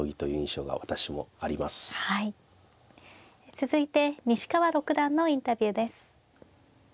続いて西川六段のインタビューです。